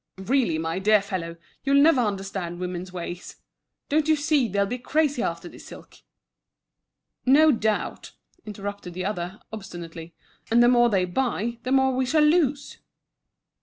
Really, my dear fellow, you'll never understand women's ways. Don't you see they'll be crazy after this silk?" "No doubt," interrupted the other, obstinately, "and the more they buy, the more we shall lose."